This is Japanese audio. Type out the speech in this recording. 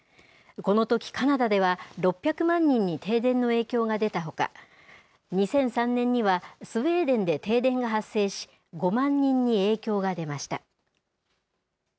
このとき、カナダでは６００万人に停電の影響が出たほか、２００３年にはスウェーデンで停電が発生し、５万人に影響が出ました。